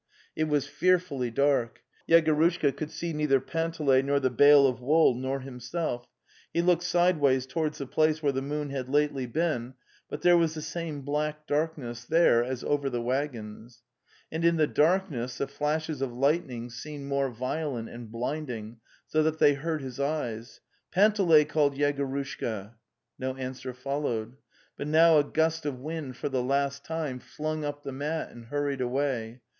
It was fearfully dark. Yegorushka could see neither Panteley, nor the bale of wool, nor himself; he The Steppe 25 looked sideways towards the place where the moon had lately been, but there was the same black dark ness there as over the waggons. And in the dark ness the flashes of lightning seemed more violent and blinding, so that they hurt his eyes. '" Panteley! " called Yegorusnka. No answer followed. But now a gust of wind for the last time flung up the mat and hurried away.